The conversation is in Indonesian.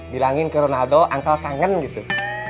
bilangin ke ronaldo angka kangen gitu